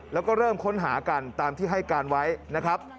แล้วก็เริ่มค้นหากันตามที่ให้การไว้นะครับ